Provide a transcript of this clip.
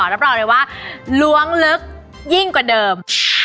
รับรองเลยว่าล้วงลึกยิ่งกว่าเดิม